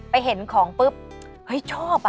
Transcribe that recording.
ไปเห็นของปึ๊บเฮ้ยโชบอะ